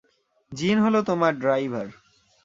জিন হল তোমার ড্রাইভার।